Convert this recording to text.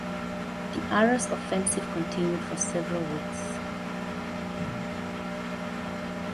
The Arras offensive continued for several weeks.